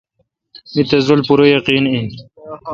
می تس رل پورہ یقین این۔